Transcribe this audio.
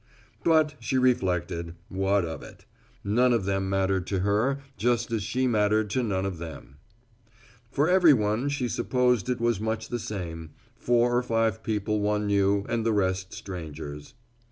But, she reflected, what of it? None of them mattered to her, just as she mattered to none of them. For everyone she supposed it was much the same; four or five people one knew and the rest strangers.